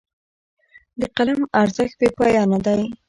د قلم ارزښت بې پایانه دی.